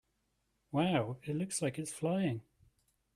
Wow! It looks like it is flying!